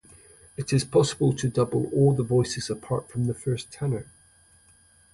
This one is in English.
It is possible to double all the voices apart from the first tenor.